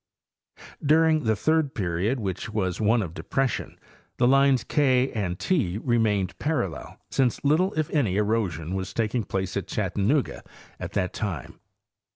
During the third period, which was one of depression, the lines K and 7 remain parallel, since little, if any, erosion was taking place at Chattanooga at that time.